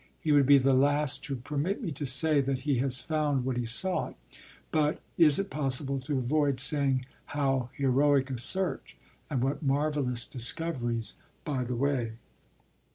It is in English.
He would be the last to permit me to say that he has found what he sought; but (is it possible to avoid saying?) how heroic a search, and what marvellous discoveries, by the way!